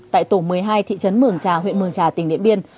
tại tổ một mươi hai thị trấn mường trà huyện mường trà tỉnh điện biên